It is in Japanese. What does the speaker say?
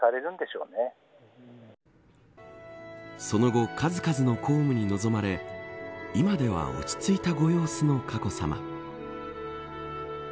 その後、数々の公務に臨まれ今では落ち着いたご様子の佳子さま。